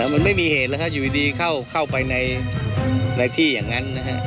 มันไม่มีเหตุแล้วถ้าอยู่ดีเข้าไปในที่อย่างนั้นนะฮะ